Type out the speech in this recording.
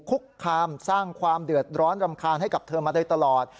คุกคามสร้างความเดือดร้อนรำคาญให้กับเธอมาโดยตลอด